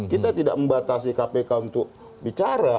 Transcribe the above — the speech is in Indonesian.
kita tidak membatasi kpk untuk bicara